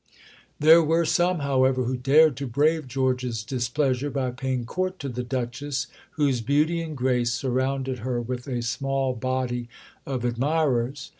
There were some, however, who dared to brave George's displeasure by paying court to the Duchess, whose beauty and grace surrounded her with a small body of admirers.